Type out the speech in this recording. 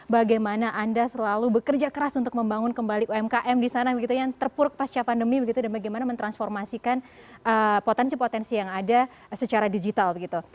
bagaimana anda selalu bekerja keras untuk membangun kembali umkm disana gitu ya yang terpuruk pasca pandemi gitu dan bagaimana men transformasikan potensi potensi yang ada secara digital gitu